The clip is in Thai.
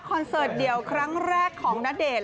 เสิร์ตเดี่ยวครั้งแรกของณเดชน์